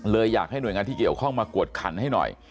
อยากให้หน่วยงานที่เกี่ยวข้องมากวดขันให้หน่อย